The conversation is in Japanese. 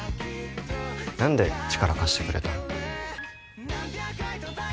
何で力貸してくれたの？